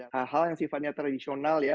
hal hal yang sifatnya tradisional ya